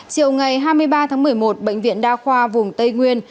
chiều ngày hai mươi ba tháng một mươi một bệnh viện đa khoa vùng tây nguyên